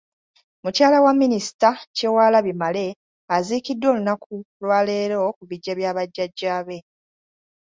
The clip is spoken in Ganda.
Mukyala wa Minisita Kyewalabye Male aziikiddwa olunaku lwaleero ku biggya bya bajjajja be.